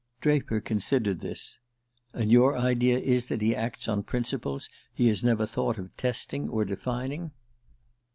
Draper considered this. "And your idea is that he acts on principles he has never thought of testing or defining?"